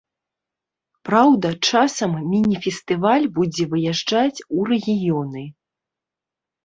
Праўда, часам міні-фестываль будзе выязджаць у рэгіёны.